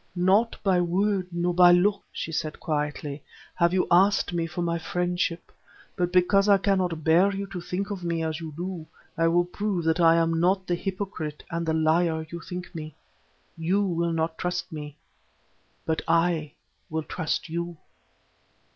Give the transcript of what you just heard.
"Not by word, nor by look," she said, quietly, "have you asked for my friendship, but because I cannot bear you to think of me as you do, I will prove that I am not the hypocrite and the liar you think me. You will not trust me, but I will trust you."